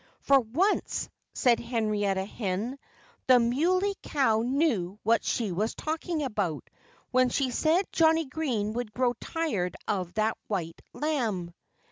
"For once," said Henrietta Hen, "the Muley Cow knew what she was talking about when she said Johnnie Green would grow tired of that white lamb."